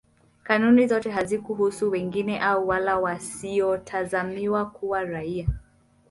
Kanuni zote hazikuhusu wageni au wale wasiotazamiwa kuwa raia.